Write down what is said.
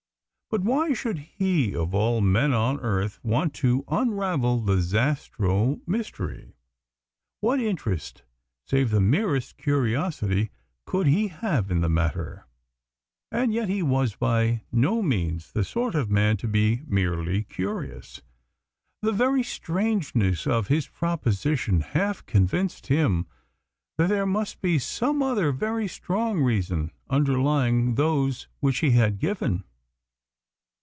But why should he of all men on earth want to unravel the Zastrow mystery? What interest save the merest curiosity could he have in the matter? And yet he was by no means the sort of man to be merely curious. The very strangeness of his proposition half convinced him that there must be some other very strong reason underlying those which he had given.